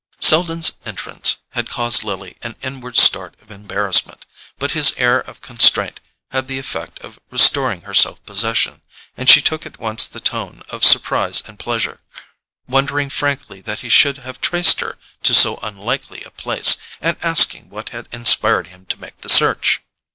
Selden's entrance had caused Lily an inward start of embarrassment; but his air of constraint had the effect of restoring her self possession, and she took at once the tone of surprise and pleasure, wondering frankly that he should have traced her to so unlikely a place, and asking what had inspired him to make the search.